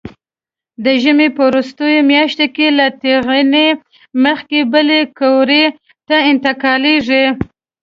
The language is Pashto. د ژمي په وروستۍ میاشت کې له ټېغنې مخکې بلې قوریې ته انتقالېږي.